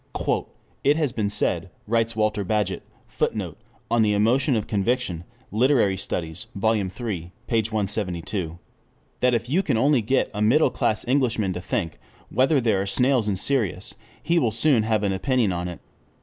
"It has been said" writes Walter Bagehot, [Footnote: On the Emotion of Conviction, Literary Studies, Vol. Ill, p. 172.] "that if you can only get a middleclass Englishman to think whether there are 'snails in Sirius,' he will soon have an opinion on it.